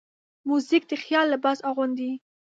موزیک د خیال لباس اغوندي.